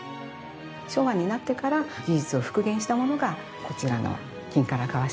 昭和になってから技術を復元したものがこちらの金唐革紙になります。